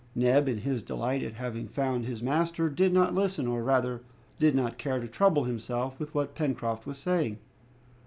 Neb, in his delight at having found his master, did not listen, or rather, did not care to trouble himself with what Pencroft was saying.